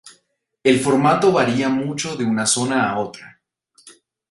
El formato varía mucho de una zona a otra.